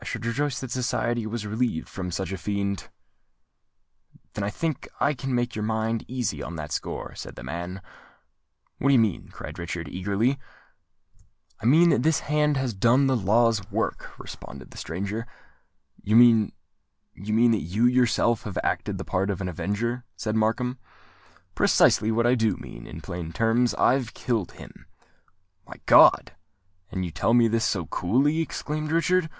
"I should rejoice that society was relieved from such a fiend." "Then I think that I can make your mind easy on that score," said the man. "What do you mean?" cried Richard, eagerly. "I mean that this hand has done the law's work," responded the stranger. "You mean—you mean that you yourself have acted the part of an avenger?" said Markham. "Precisely what I do mean: in plain terms, I've killed him." "My God! and you tell me this so coolly!" exclaimed Richard.